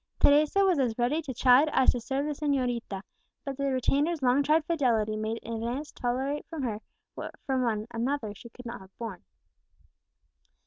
Teresa was as ready to chide as to serve the señorita; but the retainer's long tried fidelity made Inez tolerate from her what from another she could not have borne.